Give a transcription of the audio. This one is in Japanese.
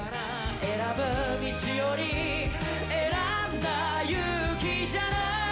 「選ぶ道より、選んだ勇気じゃない？」